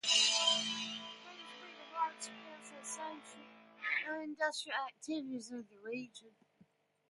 There has been a large-scale cessation of industrial activities in the region.